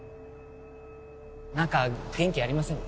なんか元気ありませんね。